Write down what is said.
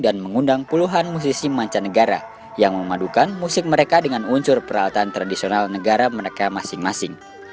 dan mengundang puluhan musisi mancanegara yang memadukan musik mereka dengan unsur peralatan tradisional negara mereka masing masing